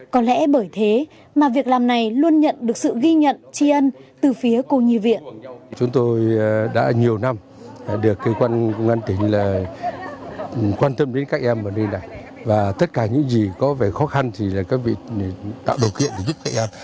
có lẽ bởi thế mà việc làm này luôn nhận được những tấm lòng hảo tâm